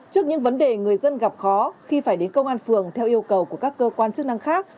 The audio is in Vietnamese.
trước những vấn đề người dân gặp khó khi phải đến công an phường theo yêu cầu của các cơ quan chức năng khác